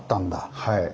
はい。